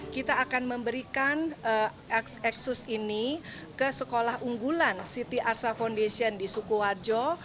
kita akan memberikan asus ini ke sekolah unggulan ct arsa foundation di sukuwajo